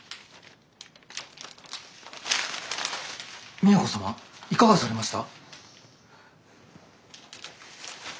都様いかがされました？